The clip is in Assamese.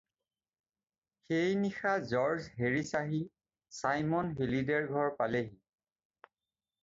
সেই নিশা জৰ্জ হেৰিছ আহি ছাইমন হেলিডেৰ ঘৰ পালেহি।